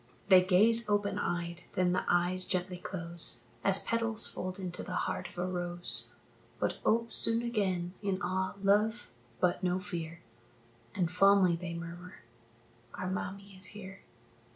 They gaze open eyed, then the eyes gently close, As petals fold into the heart of a rose, But ope soon again in awe, love, but no fear, And fondly they murmur, "Our mammie is here."